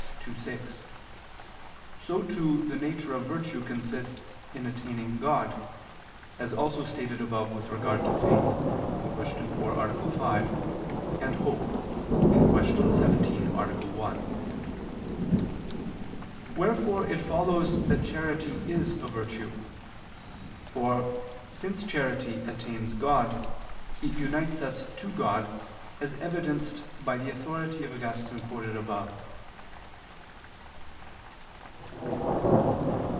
_ ii, 6, so too, the nature of virtue consists in attaining God, as also stated above with regard to faith, (Q. 4, A. 5) and hope (Q. 17, A. 1). Wherefore, it follows that charity is a virtue, for, since charity attains God, it unites us to God, as evidenced by the authority of Augustine quoted above.